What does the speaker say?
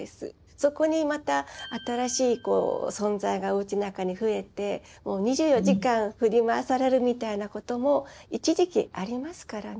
そこにまた新しい存在がおうちの中に増えてもう２４時間振り回されるみたいなことも一時期ありますからね。